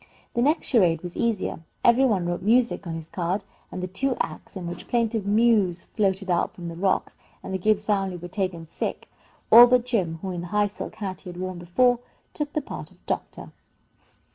The next charade was easier. Every one wrote "music" on his card, after the two acts in which plaintive mews floated up from the rocks and the Gibbs family were taken sick. All but Jim, who, in the high silk hat he had worn before, took the part of doctor.